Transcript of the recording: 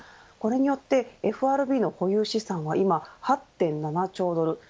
これによってＦＲＢの保有資産は今８．７兆ドル